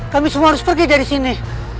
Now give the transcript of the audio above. kami semua harus pergi dari sini